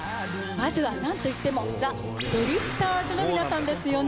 まずはなんといってもザ・ドリフターズの皆さんですよね。